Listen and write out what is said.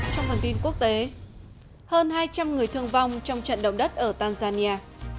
trong phần tin quốc tế hơn hai trăm linh người thương vong trong trận động đất ở tanzania